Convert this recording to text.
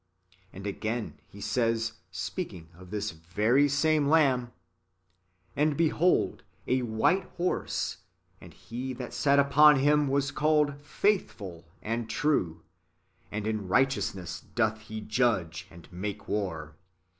^ And again, he says, speaking of this very same Lamb: ^'And behold a white liorse; and He that sat upon him was called Faithful and True; and in righteousness doth He judge and make war.